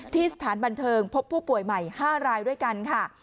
สถานบันเทิงพบผู้ป่วยใหม่๕รายด้วยกันค่ะ